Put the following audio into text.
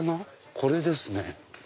これですね。